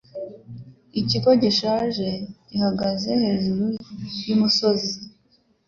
Ikigo gishaje gihagaze hejuru yumusozi.